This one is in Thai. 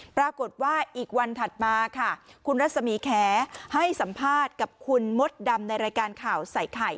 ปรากฏว่าอีกวันถัดมาค่ะคุณรัศมีแขให้สัมภาษณ์กับคุณมดดำในรายการข่าวใส่ไข่